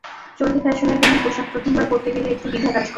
চলতি ফ্যাশনের কোনো পোশাক প্রথমবার পরতে গেলে একটু দ্বিধা কাজ করে।